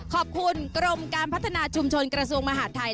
ขอบคุณกรมการพัฒนาชุมชนกระทรวงมหาดไทย